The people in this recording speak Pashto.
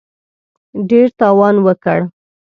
ډېر تاوان وکړ.